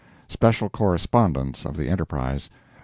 (SPECIAL CORRESPONDENCE OF THE ENTERPRISE.)